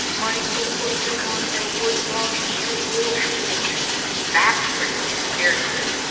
'Michael put them on t' wood box in t' washoose.' That's where they disappeared to."